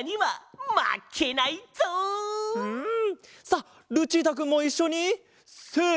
さあルチータくんもいっしょにせの。